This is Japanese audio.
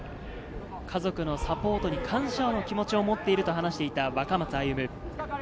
家族のサポートに感謝の気持ちを持っていると話していた若松歩。